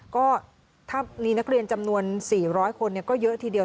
ก็ถ้ามีนักเรียนจำนวน๔๐๐คนก็เยอะทีเดียว